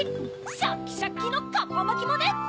シャッキシャキのかっぱまきもね。